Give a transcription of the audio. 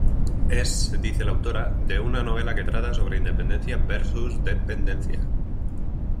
Es, dice la autora, de una novela que trata sobre independencia versus dependencia.